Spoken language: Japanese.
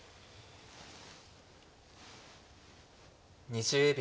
２０秒。